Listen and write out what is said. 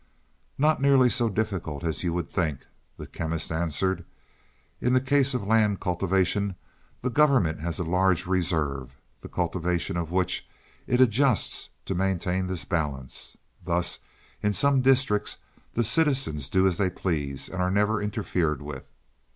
"Not nearly so difficult as you would think," the Chemist answered. "In the case of land cultivation, the government has a large reserve, the cultivation of which it adjusts to maintain this balance. Thus, in some districts, the citizens do as they please and are never interfered with.